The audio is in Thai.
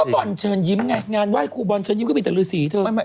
ก็บอนเชิญยิ้มไงงานไหว้ครูบอนเชิญยิ้มก็เป็นแต่เรือสีเถอะ